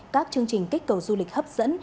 các chương trình kích cầu du lịch hấp dẫn